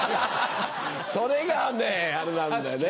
それがあれなんだね。